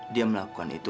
dia melakukan itu